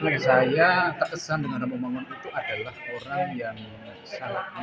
menurut saya tak kesan dengan umum umum itu adalah orang yang salahkan